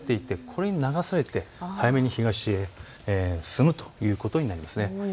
これに流されて早めに東へ進むということになります。